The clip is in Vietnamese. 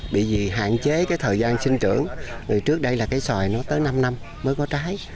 bởi vì hạn chế cái thời gian sinh trưởng thì trước đây là cái xoài nó tới năm năm mới có trái